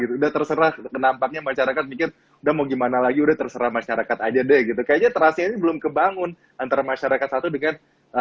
udah terserah nampaknya masyarakat mikir udah mau gimana lagi udah terserah masyarakat aja deh gitu kayaknya terasia ini belum kebangun antara masyarakat satu dengan